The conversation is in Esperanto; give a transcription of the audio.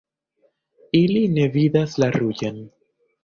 Ili ne vidas la ruĝan.